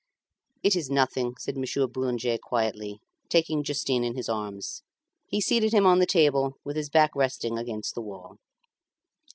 "It is nothing," said Monsieur Boulanger quietly, taking Justin in his arms. He seated him on the table with his back resting against the wall.